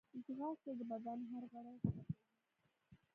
ځغاسته د بدن هر غړی خوځوي